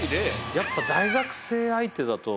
やっぱ大学生相手だと。